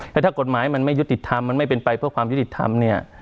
แล้วถ้ากฎหมายมันไม่ยุติธรรมมันไม่เป็นไปเพื่อความยุติธรรมเนี่ย